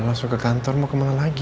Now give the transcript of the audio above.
kamu langsung ke kantor mau kemana lagi